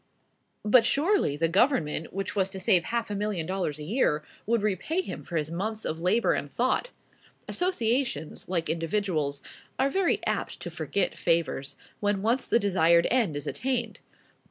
But surely the Government, which was to save a half million dollars a year, would repay him for his months of labor and thought! Associations, like individuals, are very apt to forget favors, when once the desired end is attained.